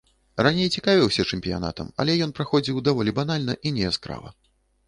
Раней цікавіўся чэмпіянатам, але ён праходзіў даволі банальна і неяскрава.